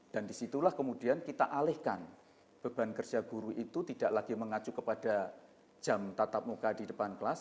dan disitulah kemudian kita alehkan beban kerja guru itu tidak lagi mengacu kepada jam tatap muka di depan kelas